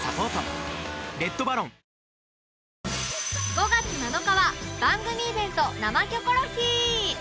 ５月７日は番組イベント生キョコロヒー